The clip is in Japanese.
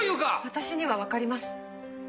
私にはわかります。